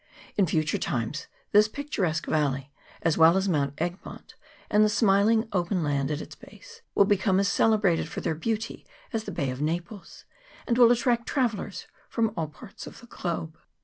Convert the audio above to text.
In future times this picturesque valley, as well as Mount Egmont and the smiling open land at its base, will become as celebrated for their beauty as the Bay of Naples, and will attract travellers from all parts of the globe.